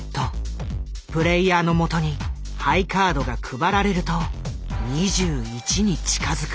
プレイヤーのもとにハイカードが配られると２１に近づく。